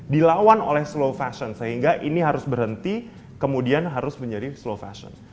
dilawan oleh slow fashion sehingga ini harus berhenti kemudian harus menjadi slow fashion